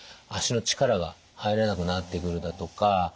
足の力が入らなくなってくるだとか